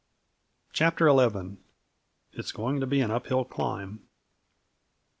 CHAPTER XI "It's Going to Be an Uphill Climb!"